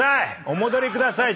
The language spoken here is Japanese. お戻りください。